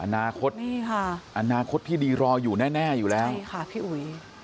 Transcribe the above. อนาคตนี่ค่ะอนาคตที่ดีรออยู่แน่อยู่แล้วใช่ค่ะพี่อุ๋ย